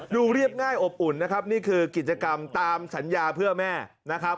เรียบง่ายอบอุ่นนะครับนี่คือกิจกรรมตามสัญญาเพื่อแม่นะครับ